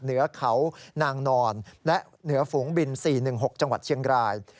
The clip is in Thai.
เหนือเขานางนอนและเหนือฝูงบิน๔๑๖จังหวัดเชียงราย